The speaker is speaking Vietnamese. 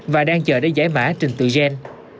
và đang chờ để giải mã trình tự gen